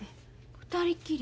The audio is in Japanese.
２人きり？